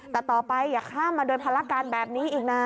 แต่ต่อไปอย่าข้ามมาโดยภารการแบบนี้อีกนะ